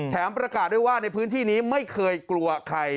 ประกาศด้วยว่าในพื้นที่นี้ไม่เคยกลัวใคร